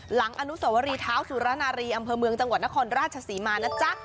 หลังอนุสวรีเท้าสุรนารีอำเภอเมืองจังหวัดนครราชศรีมานะจ๊ะ